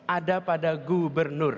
ada pada gubernur